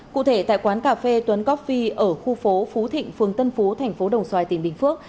cụ thể tại quán cà phê tuấn copy ở khu phố phú thịnh phường tân phú thành phố đồng xoài tỉnh bình phước